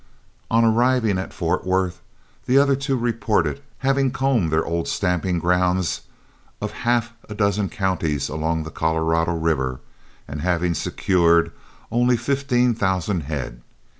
On arriving at Fort Worth, the other two reported having combed their old stamping grounds of half a dozen counties along the Colorado River, and having secured only fifteen thousand head.